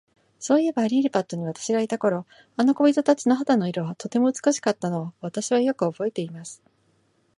そういえば、リリパットに私がいた頃、あの小人たちの肌の色は、とても美しかったのを、私はよくおぼえています。